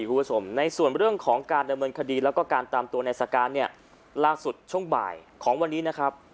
หวัสมในส่วนเรื่องของการดำเนินคดีและตามตัวนายสการเนี่ยล่าสุดช่วงบ่ายของวันนี้นะครับ